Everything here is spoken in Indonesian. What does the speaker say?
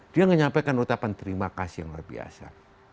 dia menyampaikan ucapan terima kasih yang luar biasa